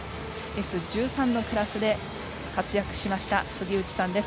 Ｓ１３のクラスで活躍しました杉内さんです。